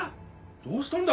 どうしたんだ？